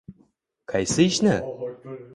Qaysi ishni?